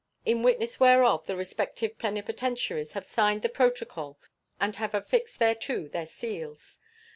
In witness whereof the respective plenipotentiaries have signed the protocol and have affixed thereto their seals.